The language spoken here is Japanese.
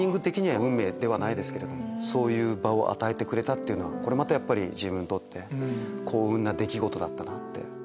運命ではないですけれどもそういう場を与えてくれたのはこれまたやっぱり自分にとって幸運な出来事だったなって。